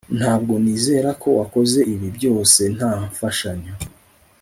Ntabwo nizera ko wakoze ibi byose nta mfashanyo